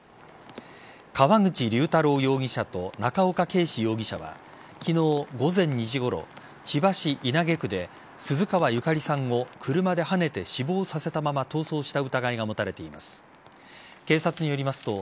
川口龍太郎容疑者と中岡敬志容疑者は昨日午前２時ごろ千葉市稲毛区で鈴川ゆかりさんを車ではねて死亡させたまま逃走した疑いが持たれています。